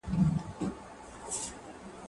زه سندري اورېدلي دي،